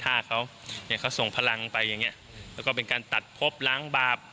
ฆ่าเขาเนี่ยเขาส่งพลังไปอย่างเงี้ยแล้วก็เป็นการตัดพบล้างบาป